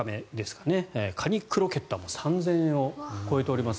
かにクロケットは３０００円を超えております。